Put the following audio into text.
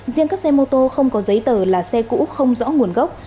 riêng các xe mô tô không có giấy tờ là xe cũ không rõ nguồn gốc